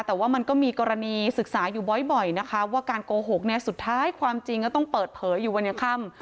แต่ว่ามันก็มีกรณีศึกษาอยู่บ่อยนะคะว่าการโกหกเนี่ยสุดท้ายความจริงก็ต้องเปิดเผยอยู่วันยังค่ำ